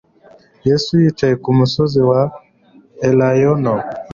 Yesu yicaye ku musozi wa Elayono,